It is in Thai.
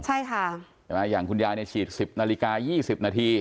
ใช่ค่ะใช่ไหมอย่างคุณยายเนี่ยฉีด๑๐นาฬิกา๒๐นาที